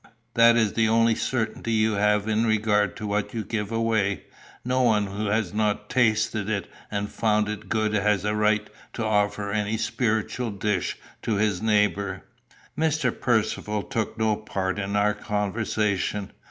That is the only certainty you have in regard to what you give away. No one who has not tasted it and found it good has a right to offer any spiritual dish to his neighbour." Mr. Percivale took no part in our conversation.